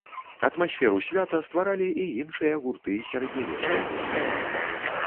Атмасферу свята стваралі і іншыя гурты сярэдневечнай музыкі.